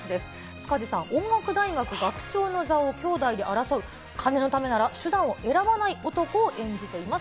塚地さん、音楽大学学長の座を兄弟で争う、金のためなら、手段を選ばない男を演じています。